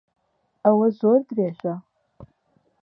ئەوە زۆر درێژە.